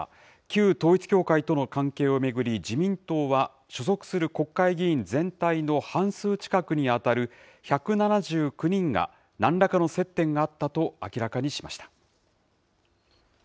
旧統一教会との関係を巡り、自民党は所属する国会議員全体の半数近くに当たる１７９人が、なんらかの接点があったと明らかにしました。